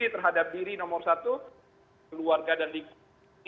terhadap diri nomor satu keluarga dan lingkungan